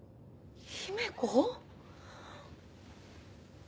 姫子？